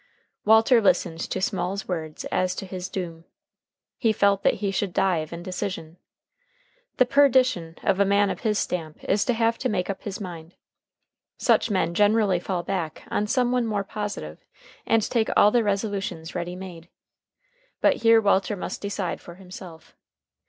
Walter listened to Small's words as to his doom. He felt that he should die of indecision. The perdition of a man of his stamp is to have to make up his mind. Such men generally fall back on some one more positive, and take all their resolutions ready made. But here Walter must decide for himself.